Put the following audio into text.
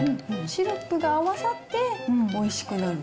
シロップが合わさっておいしくなる。